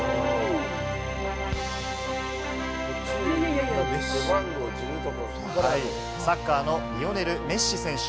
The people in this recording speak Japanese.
はい、サッカーのリオネル・メッシ選手。